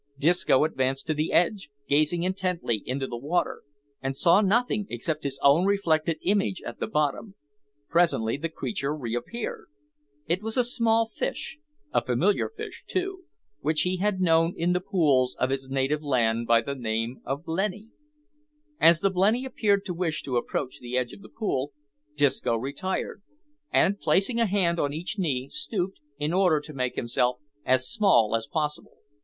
Disco advanced to the edge, gazed intently into the water, and saw nothing except his own reflected image at the bottom. Presently the creature reappeared. It was a small fish a familiar fish, too which he had known in the pools of his native land by the name of blenny. As the blenny appeared to wish to approach the edge of the pool, Disco retired, and, placing a hand on each knee, stooped, in order to make himself as small as possible.